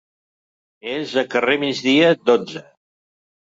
Es a carrer Migdia, dotze.